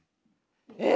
え